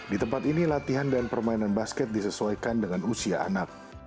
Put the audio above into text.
di tempat ini latihan dan permainan basket disesuaikan dengan usia anak